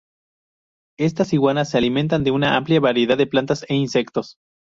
Estas iguanas se alimentan de una amplia variedad de plantas e insectos.